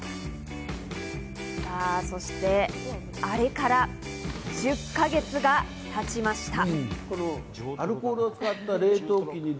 さぁそして、あれから１０か月が経ちました。